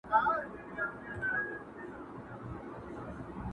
او نه هېرېدونکي پاتې کيږي ډېر,